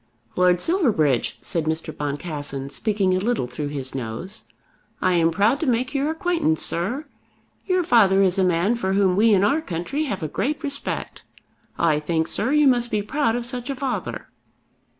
"Lord Silverbridge," said Mr. Boncassen, speaking a little through his nose, "I am proud to make your acquaintance, sir. Your father is a man for whom we in our country have a great respect. I think, sir, you must be proud of such a father."